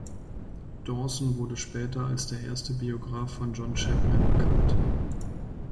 Dawson wurde später als der erste Biograf von John Chapman bekannt.